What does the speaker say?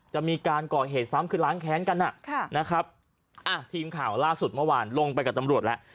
จะมีการก่อเหตุซ้ำคือล้างแค้นกันอ่ะค่ะนะครับอ่ะทีมข่าวล่าสุดเมื่อวานลงไปกับตำรวจแล้ว